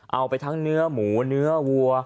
เอาไปทั้งเนื้อหมูเนื้อวัว